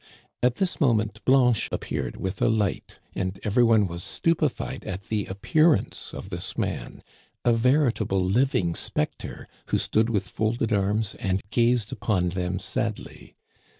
At this moment Blanche appeared with a light, and every one was stupefied at the appearance of this man, a veritable living specter, who stood with folded arms and gazed upon them sadly.